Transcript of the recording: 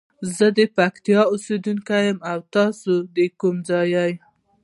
زه د پکتیکا اوسیدونکی یم او تاسو د کوم ځاي؟